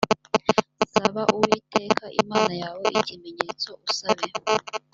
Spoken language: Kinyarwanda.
saba uwiteka imana yawe ikimenyetso usabe